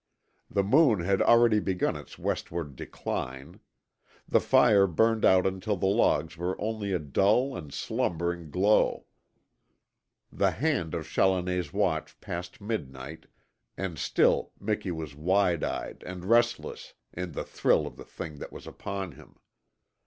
The moon had already begun its westward decline. The fire burned out until the logs were only a dull and slumbering glow; the hand of Challoner's watch passed midnight, and still Miki was wide eyed and restless in the thrill of the thing that was upon him.